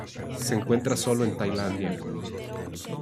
Se encuentra sólo en Tailandia.